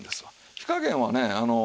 火加減はね